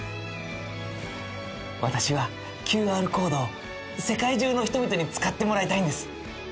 私はＱＲコードを世界中の人々に使ってもらいたいんです。